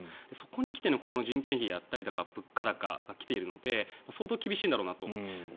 そこに来て人件費だったり物価高騰が来ているので相当厳しいんだろうなと。